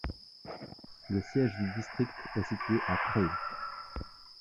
Le siège du district est situé à Trail.